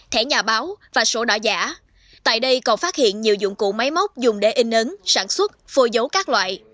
thẻ nhà báo và sổ đỏ giả tại đây còn phát hiện nhiều dụng cụ máy móc dùng để in ấn sản xuất phôi dấu các loại